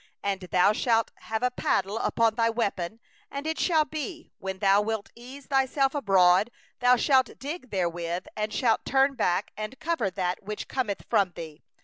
14And thou shalt have a paddle among thy weapons; and it shall be, when thou sittest down abroad, thou shalt dig therewith, and shalt turn back and cover that which cometh from thee.